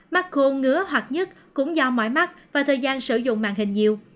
mắt khô ngứa hoặc nhứt cũng do mọi mắt và thời gian sử dụng màn hình nhiều